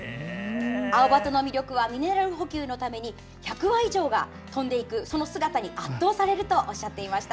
アオバトの魅力はミネラル補給のために１００羽以上が飛んでいくその姿に圧倒されていますとおっしゃっていました。